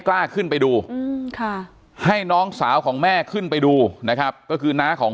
กล้าขึ้นไปดูให้น้องสาวของแม่ขึ้นไปดูนะครับก็คือน้าของ